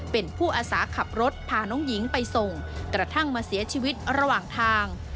เป็นผู้อาสาขับรถพาน้องหญิงไปส่งกระทั่งมาเสียชีวิตระหว่างทาง